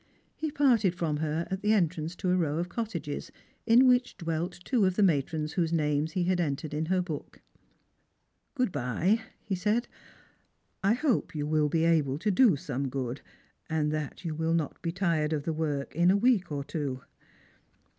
He parted from her at the entrance to a row of cottages, in which dwelt two of the matrons whose names he had entered in her book. " Good bye," he said. " I hope you will be able to do some good, and that you will not be tired of the work in a week or two."